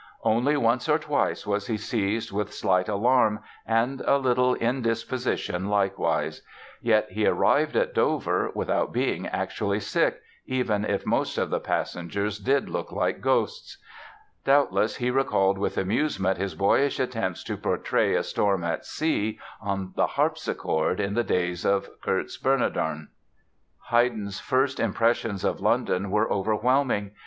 Only once or twice was he "seized with slight alarm and a little indisposition likewise". Yet he arrived at Dover "without being actually sick", even if most of the passengers did "look like ghosts." Doubtless he recalled with amusement his boyish attempts to portray a storm at sea on the harpsichord in the days of Kurz Bernardon! Haydn's first impressions of London were overwhelming.